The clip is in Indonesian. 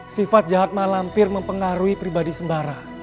sifat jahat malahmpir mempengaruhi pribadi sembara